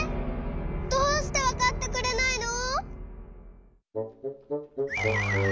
どうしてわかってくれないの！？